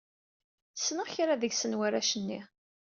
Ssneɣ kra deg-sen warrac-nni.